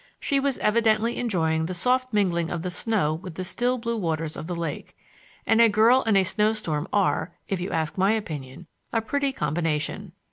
She was evidently enjoying the soft mingling of the snow with the still, blue waters of the lake, and a girl and a snow storm are, if you ask my opinion, a pretty combination.